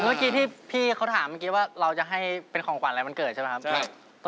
เมื่อกี้ที่พี่เขาถามว่าเราจะให้เป็นของขวัญวันเกิดใช่ไหมครับ